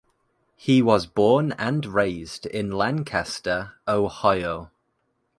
He was born and raised in Lancaster, Ohio.